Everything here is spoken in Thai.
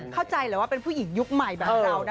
เข้าใจแหละว่าเป็นผู้หญิงยุคใหม่แบบเรานะ